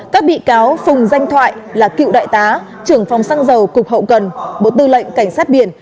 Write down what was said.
các bị cáo phùng danh thoại là cựu đại tá trưởng phòng xăng dầu cục hậu cần bộ tư lệnh cảnh sát biển